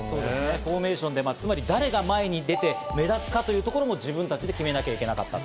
フォーメーションで誰が前に出て目立つかというところも自分たちで決めなきゃいけなかった。